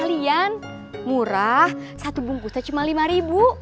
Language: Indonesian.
kalian murah satu bungkusnya cuma lima ribu